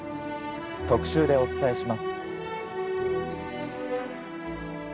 特集でお伝えします。